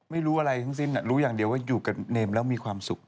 ไม่รู้อะไรทั้งสิ้นรู้อย่างเดียวว่าอยู่กับเนมแล้วมีความสุข